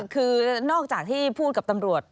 คือนอกจากที่พูดกับตำรวจ